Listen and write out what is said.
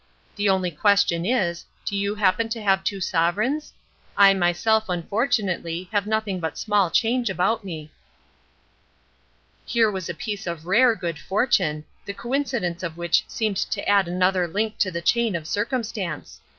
The only question is, do you happen to have two sovereigns? I myself, unfortunately, have nothing but small change about me." Here was a piece of rare good fortune, the coincidence of which seemed to add another link to the chain of circumstance.